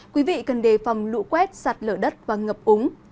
quý vị cần đề phòng lũ quét sạt lở đất và ngập úng